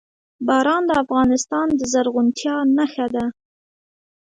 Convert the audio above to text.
باران د افغانستان د زرغونتیا نښه ده.